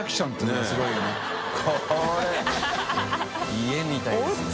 家みたいですね。